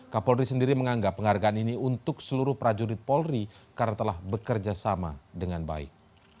kapolri sendiri menganggap penghargaan ini untuk seluruh prajurit polri karena telah bekerja sama dengan baik